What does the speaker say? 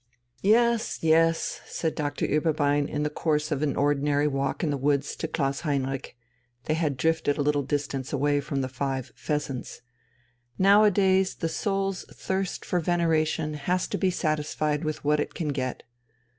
"Yes, yes," said Doctor Ueberbein in the course of an ordinary walk in the woods to Klaus Heinrich they had drifted a little distance away from the five "Pheasants" "nowadays the soul's thirst for veneration has to be satisfied with what it can get.